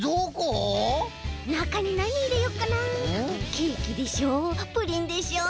ケーキでしょプリンでしょ